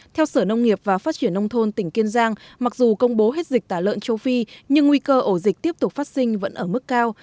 theo sở nông nghiệp và phát triển nông thôn tỉnh kiên giang mặc dù công bố hết dịch tả lợn châu phi nhưng nguy cơ ổ dịch tiếp tục phát sinh vẫn ở mức cao